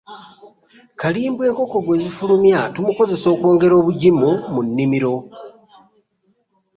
Kalimbwe, enkoko gwezifulumya tumukozesa okwongera obugimu mu minimiro.